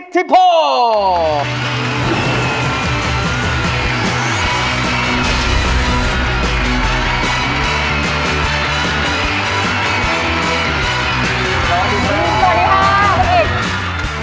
สวัสดีค่ะคุณอิท